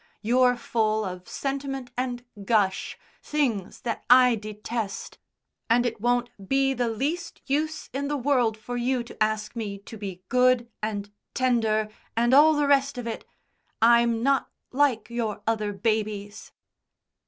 You're full of sentiment and gush things that I detest and it won't be the least use in the world for you to ask me to be good, and tender, and all the rest of it. I'm not like your other babies."